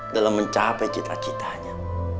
dalam mencapai cita citanya